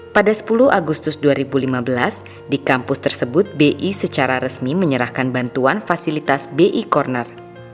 pada sepuluh agustus dua ribu lima belas di kampus tersebut bi secara resmi menyerahkan bantuan fasilitas bi corner